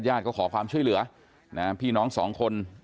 ญาติก็ขอความช่วยเหลือพี่น้อง๒คน